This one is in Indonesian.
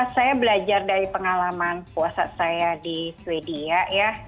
saya belajar dari pengalaman puasa saya di sweden ya